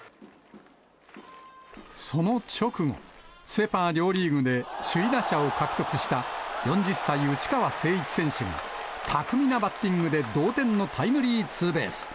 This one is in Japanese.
その直後、セ・パ両リーグで首位打者を獲得した４０歳、内川聖一選手が巧みなバッティングで同点のタイムリーツーベース。